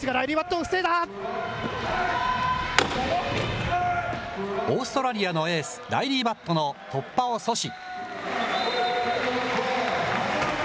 オーストラリアのエース、ライリー・バットの突破を阻止。